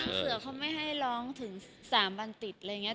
อเรนนี่คือมันเผาเสือกเขาไม่ให้ร้องถึง๓วันติดเลยเงี้ย